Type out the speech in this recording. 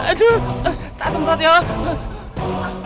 aduh tak semprot yoh